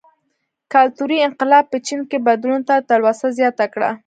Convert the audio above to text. کلتوري انقلاب په چین کې بدلون ته تلوسه زیاته کړه.